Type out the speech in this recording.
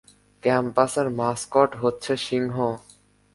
ক্যাম্পাসের মাসকট হচ্ছে সিংহ।